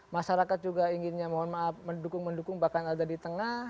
masyarakat juga inginnya mohon maaf mendukung mendukung bahkan ada di tengah